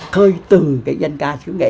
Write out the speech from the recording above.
khơi từ cái dân ca sứ nghệ